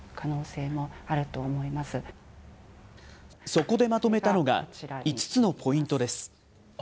そこでまとめたのが、５つのポイントです。